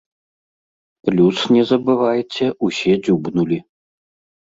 Плюс, не забывайце, усе дзюбнулі.